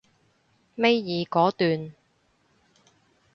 尾二嗰段